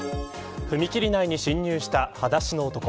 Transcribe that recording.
踏切内に侵入したはだしの男。